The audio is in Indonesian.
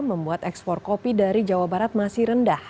membuat ekspor kopi dari jawa barat masih rendah